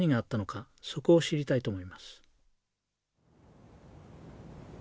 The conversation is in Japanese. そこを知りたいと思います。